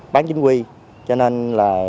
bán chính quy cho nên là